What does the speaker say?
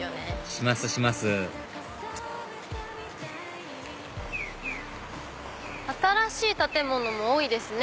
しますします新しい建物も多いですね